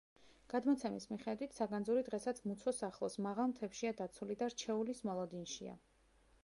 გადმოცემის მიხედვით, საგანძური დღესაც მუცოს ახლოს, მაღალ მთებშია დაცული და რჩეულის მოლოდინშია.